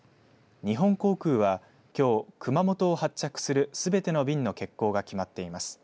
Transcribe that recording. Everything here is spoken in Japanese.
日本航空は、きょう熊本を発着するすべての便の欠航が決まっています。